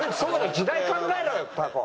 時代考えろよタコ！